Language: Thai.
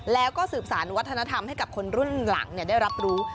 แล้วก็สืบสารวัฒนธรรมให้กับคนรุ่นหลังได้รับรู้